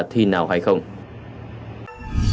hãy đăng ký kênh để ủng hộ kênh của mình nhé